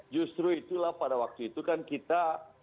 justru itulah pada waktu itu kan kita